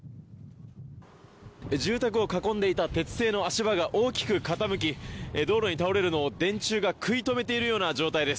住宅を囲んでいた鉄製の足場が大きく傾き、道路に倒れるのを電柱が食い止めているような状態です。